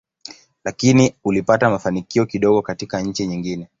Lakini ulipata mafanikio kidogo katika nchi nyingine.